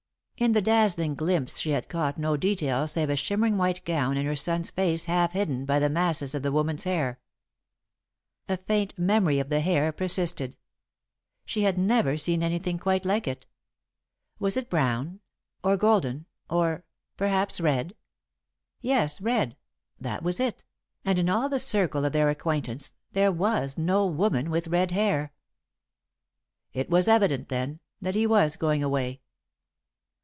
In the dazzling glimpse she had caught no detail save a shimmering white gown and her son's face half hidden by the masses of the woman's hair. A faint memory of the hair persisted; she had never seen anything quite like it. Was it brown, or golden, or perhaps red? Yes, red that was it, and in all the circle of their acquaintance there was no woman with red hair. [Sidenote: Alden's Decision] It was evident, then, that he was going away.